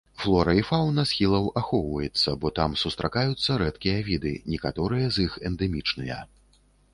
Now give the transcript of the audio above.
Флора і фаўна схілаў ахоўваецца, бо там сустракаюцца рэдкія віды, некаторыя з іх эндэмічныя.